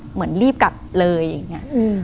เหมือนรีบกลับเลยอย่างนี้